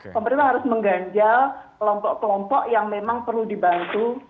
pemerintah harus mengganjal kelompok kelompok yang memang perlu dibantu